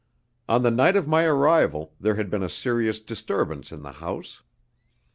On the night of my arrival there had been a serious disturbance in the house.